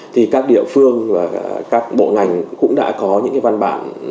thì các địa phương và các bộ ngành cũng đã có những cái văn bản